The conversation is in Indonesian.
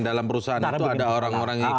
dalam perusahaan itu ada orang orang itu